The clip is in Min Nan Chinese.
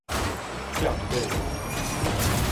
欠碼